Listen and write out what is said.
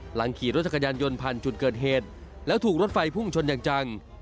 ขี่รถจักรยานยนต์ผ่านจุดเกิดเหตุแล้วถูกรถไฟพุ่งชนอย่างจัง